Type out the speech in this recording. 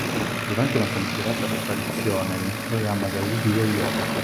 Durante una famigerata apparizione nel programma televisivo Yo!